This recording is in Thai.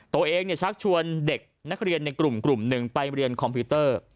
ชักชวนเด็กนักเรียนในกลุ่มหนึ่งไปเรียนคอมพิวเตอร์